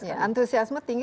ya antusiasme tinggi